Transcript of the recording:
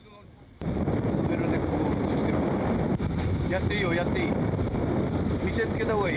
やっていいよ、やっていい。